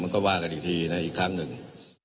ก็ว่ากันอีกทีนะอีกครั้งหนึ่ง